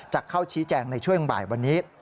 จะเข้าชี้แจงในช่วงบ่ายวันนี้